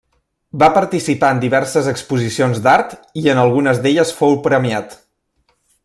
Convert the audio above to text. Va participar en diverses exposicions d'art, i en algunes d'elles fou premiat.